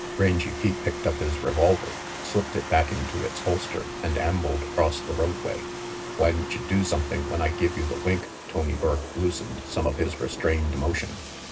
Rangy Pete picked up his revolver, slipped it back into its holster and ambled across the roadway. "Whyn't you do something when I give you the wink?" Tony Burke loosened some of his restrained emotion.